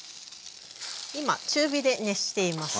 今中火で熱しています。